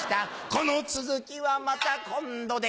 この続きはまた今度で